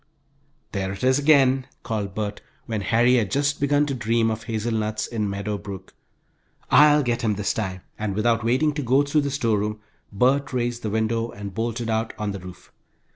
"There it is again," called Bert, when Harry had just begun to dream of hazelnuts in Meadow Brook. "I'll get him this time!" and without waiting to go through the storeroom, Bert raised the window and bolted out on the roof.